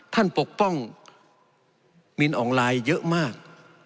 ปกป้องมินอองไลน์เยอะมาก